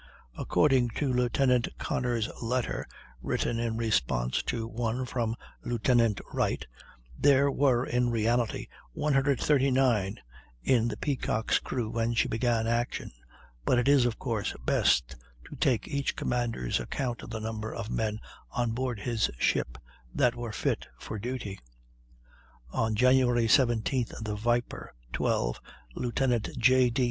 ] According to Lieutenant Connor's letter, written in response to one from Lieutenant Wright, there were in reality 139 in the Peacock's crew when she began action; but it is, of course, best to take each commander's account of the number of men on board his ship that were fit for duty. On Jan. 17th the Viper, 12, Lieutenant J. D.